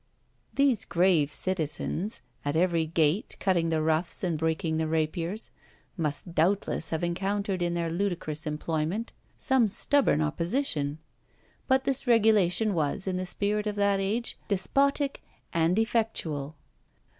These "grave citizens," at every gate cutting the ruffs and breaking the rapiers, must doubtless have encountered in their ludicrous employment some stubborn opposition; but this regulation was, in the spirit of that age, despotic and effectual.